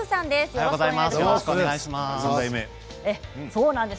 よろしくお願いします。